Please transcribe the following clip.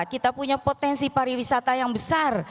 kita punya potensi pariwisata yang besar